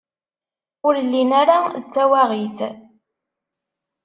Ur llin ara d tawaɣit.